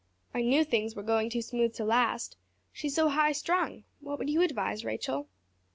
I knew things were going too smooth to last. She's so high strung. What would you advise, Rachel?"